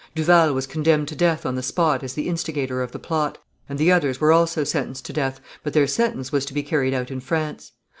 Duval was condemned to death on the spot as the instigator of the plot, and the others were also sentenced to death, but their sentence was to be carried out in France.